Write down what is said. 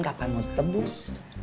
kakak mau tebus